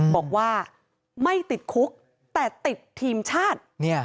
บอกว่าไม่ติดคุกแต่ติดทีมชาติ